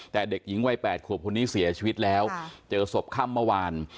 แต่เด็กหญิงวัย๘ขวบคนนี้เสียชีวิตแล้วเจอศพค่ำเมื่อวาน